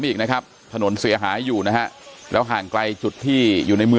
ไม่อีกนะครับถนนเสียหาอยู่นะฮะแล้วห่างใกลจุดที่